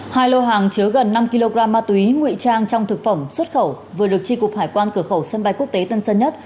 hai lô hàng chứa gần năm kg ma túy nguy trang trong thực phẩm xuất khẩu vừa được tri cục hải quan cửa khẩu sân bay quốc tế tân sơn nhất